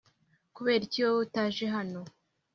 kuberiki wowe utaje hano